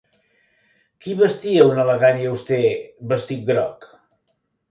Qui vestia un elegant i auster vestit groc?